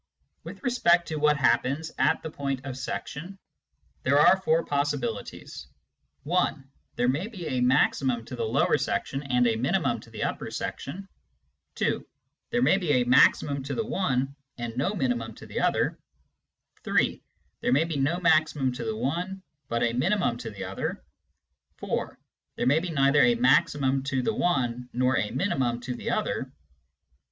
With respect to what happens at the point of section, there are four possibilities : (1) there may be a maximum to the lower section and a minimum to the upper section, (2) there may be a maximum to the one and no minimum to the other, (3) there may be no maximum to the one, but a minimum to the other, (4) there may be neither a maximum to the one nor a minimum to the other.